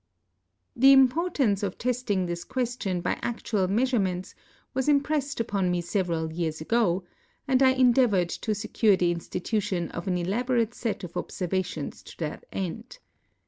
The imi)ortance of testing this question by actual measure ments was imi)rest uj)on me several years ago, and I endeavored to secure the institution of an elaborate set of observations to that end.